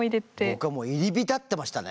僕はもう入り浸ってましたね